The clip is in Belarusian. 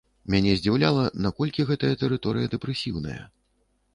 Мяне здзіўляла, наколькі гэтая тэрыторыя дэпрэсіўная.